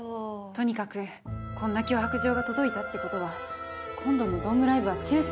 とにかくこんな脅迫状が届いたって事は今度のドームライブは中止にしなくちゃ。